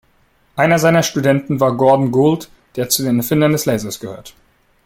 Einer seiner Studenten war Gordon Gould, der zu den Erfindern des Lasers gehört.